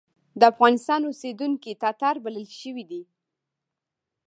د افغانستان اوسېدونکي تاتار بلل شوي دي.